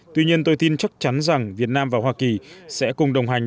tuy nhiên tôi tin chắc chắn rằng việt nam và hoa kỳ sẽ cùng đồng hành